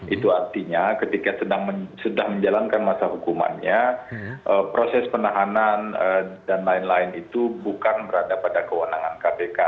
itu artinya ketika sudah menjalankan masa hukumannya proses penahanan dan lain lain itu bukan berada pada kewenangan kpk